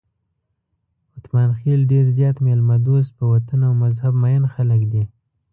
اتمانخېل ډېر زیات میلمه دوست، په وطن او مذهب مېین خلک دي.